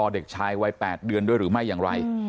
เด็กชายวัย๘เดือนด้วยหรือไม่อย่างไร